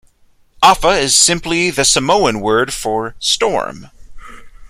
Afa is simply the Samoan word for "storm".